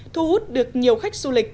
thu hút được nhiều khách du lịch